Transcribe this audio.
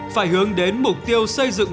phải hướng đến mục tiêu xây dựng